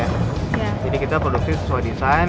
jadi kita produksi sesuai desain